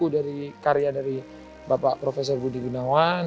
ini adalah karya dari bapak prof budi gunawan